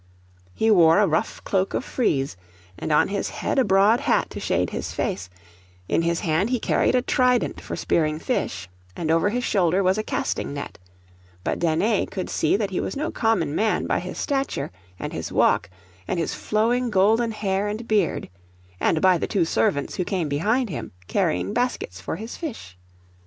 He wore a rough cloak of frieze, and on his head a broad hat to shade his face; in his hand he carried a trident for spearing fish, and over his shoulder was a casting net; but Danae could see that he was no common man by his stature, and his walk, and his flowing golden hair and beard; and by the two servants who came behind him, carrying baskets for his fish.